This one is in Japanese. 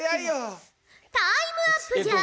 タイムアップじゃ！